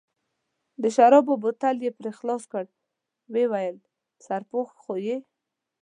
د شرابو بوتل یې پرې خلاص کړ، ویې ویل: سرپوښ خو یې.